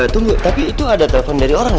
tunggu tapi itu ada telepon dari orang ya